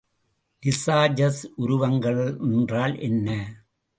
Lissajous உருவங்கள் என்றால் என்ன?